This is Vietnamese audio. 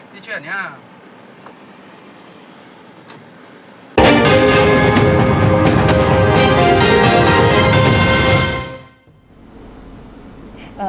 đi chuyển nha